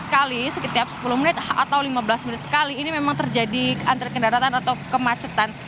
sekali setiap sepuluh menit atau lima belas menit sekali ini memang terjadi antre kendaraan atau kemacetan